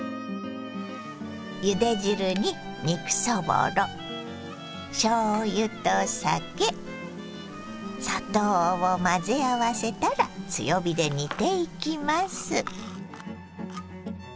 ゆで汁に肉そぼろしょうゆと酒砂糖を混ぜ合わせたら強火で煮ていきます。